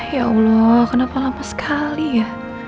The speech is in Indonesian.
ya allah kenapa lama sekali ya